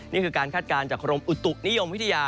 นี่คือการคาดการณ์จากกรมอุตุนิยมวิทยา